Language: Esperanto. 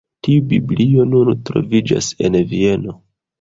Tiu Biblio nun troviĝas en Vieno.